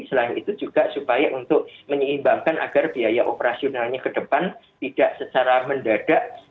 selain itu juga supaya untuk menyeimbangkan agar biaya operasionalnya ke depan tidak secara mendadak